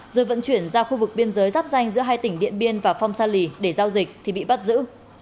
rồi vận chuyển ra khu vực biên giới giáp danh giữa hai tỉnh điện biên và phong sa lì để giao dịch thì bị bắt giữ